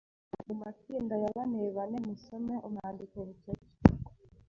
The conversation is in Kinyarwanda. Mu matsinda ya banebane, musome umwandiko bucece